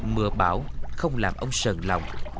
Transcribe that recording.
mùa bão không làm ông sờn lòng